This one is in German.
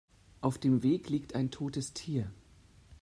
Auf dem Weg liegt ein totes Tier.